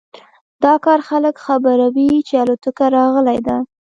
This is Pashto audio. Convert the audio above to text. دا کار خلک خبروي چې الوتکه راغلی ده